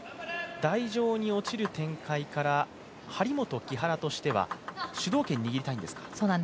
台上に落ちる展開から張本・木原としては主導権を握りたいんですか。